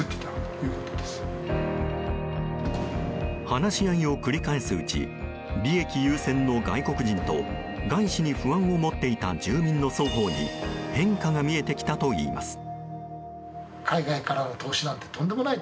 話し合いを繰り返すうち利益優先の外国人と外資に不安を持っていた住民の双方に変化が見えてきたといいます。